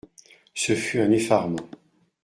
Ce fut un effarement.